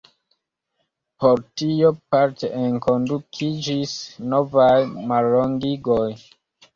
Por tio parte enkondukiĝis novaj mallongigoj.